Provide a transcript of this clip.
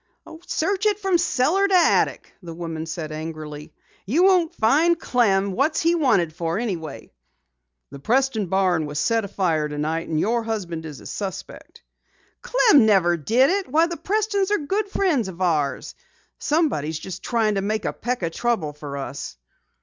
"Search it from cellar to attic!" the woman said angrily. "You won't find Clem! What's he wanted for anyway?" "The Preston barn was set afire tonight, and your husband is a suspect." "Clem never did it! Why, the Prestons are good friends of ours! Somebody's just tryin' to make a peck o' trouble for us."